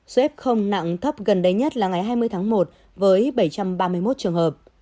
số f không nặng thấp gần đây nhất là ngày hai mươi tháng một với bảy trăm ba mươi một trường hợp